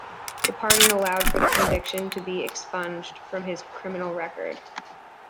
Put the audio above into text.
The pardon allowed for the conviction to be expunged from his criminal record.